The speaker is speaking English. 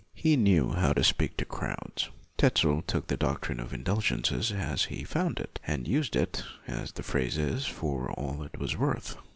He knew how to speak to crowds. Tetzel took the doctrine of indulgences as he found it, and used it, as the phrase is, for all it was worth.